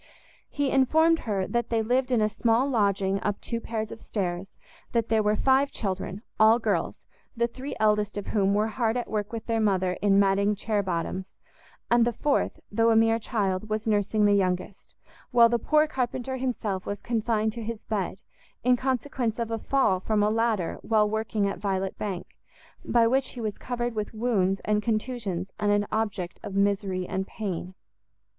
He informed her that they lived in a small lodging up two pair of stairs; that there were five children, all girls, the three eldest of whom were hard at work with their mother in matting chair bottoms, and the fourth, though a mere child, was nursing the youngest; while the poor carpenter himself was confined to his bed, in consequence of a fall from a ladder while working at Violet Bank, by which he was covered with wounds and contusions, and an object of misery and pain.